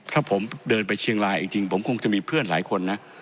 ถ้าผมเดินไปเชียงรายจริงผมคงจะมีเพื่อนหลายคนนะ